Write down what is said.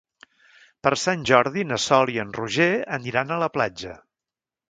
Per Sant Jordi na Sol i en Roger aniran a la platja.